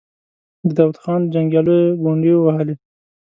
د داود خان جنګياليو ګونډې ووهلې.